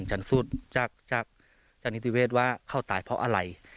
จันทรุยเวศว่าเขาตายเพราะอะไร